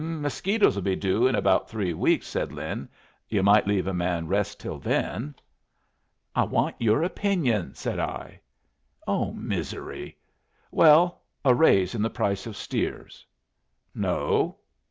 "Mosquitoes'll be due in about three weeks," said Lin. "Yu' might leave a man rest till then." "I want your opinion," said I. "Oh, misery! Well, a raise in the price of steers." "No."